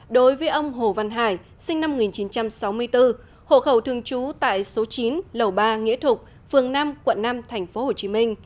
đối với ông hồ văn hải sinh năm một nghìn chín trăm sáu mươi bốn hộ khẩu thường trú tại số chín lầu ba nghĩa thục phường năm quận năm tp hcm